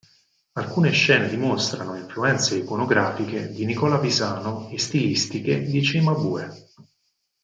Alcune scene dimostrano influenze iconografiche di Nicola Pisano e stilistiche di Cimabue.